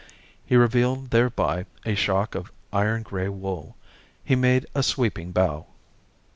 He revealed thereby a shock of iron gray wool. He made a sweeping bow.